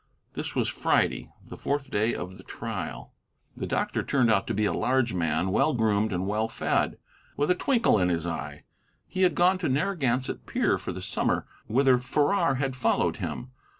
This was Friday, the fourth day of the trial. The doctor turned out to be a large man, well groomed and well fed, with a twinkle in his eye. He had gone to Narragansett Pier for the summer, whither Farrar had followed him.